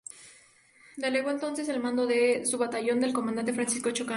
Delegó entonces el mando de su batallón al comandante Francisco Chocano.